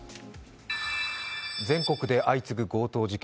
全国で相次ぐ強盗事件。